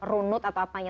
runut atau apanya